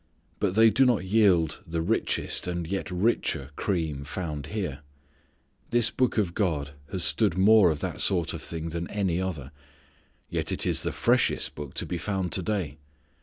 But they do not yield the richest and yet richer cream found here. This Book of God has stood more of that sort of thing than any other, yet it is the freshest book to be found to day.